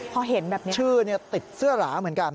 พอเห็นแบบนี้ชื่อติดเสื้อหราเหมือนกัน